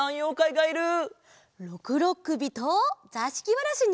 ろくろっくびとざしきわらしに。